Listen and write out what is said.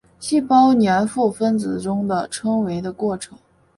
细胞黏附分子中的称为的过程。